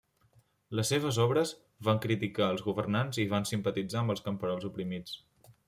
Les seves obres van criticar els governants i van simpatitzar amb els camperols oprimits.